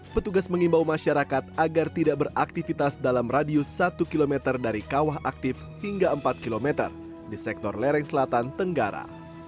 petugas mengimbau masyarakat agar tidak beraktivitas dalam radius satu km dari kawah aktif hingga empat km di sektor lereng selatan tenggara